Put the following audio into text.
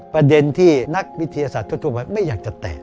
ประเด็นที่นักวิทยาศาสตร์ทั่วไปไม่อยากจะแตะ